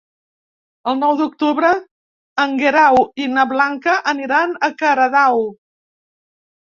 El nou d'octubre en Guerau i na Blanca aniran a Catadau.